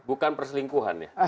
bukan perselingkuhan ya